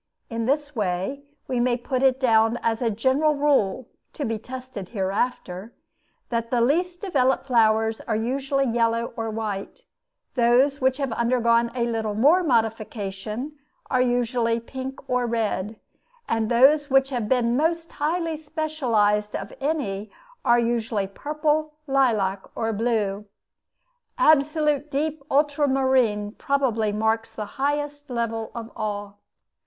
In this way, we may put it down as a general rule (to be tested hereafter) that the least developed flowers are usually yellow or white; those which have undergone a little more modification are usually pink or red; and those which have been most highly specialized of any are usually purple, lilac, or blue. Absolute deep ultramarine probably marks the highest level of all.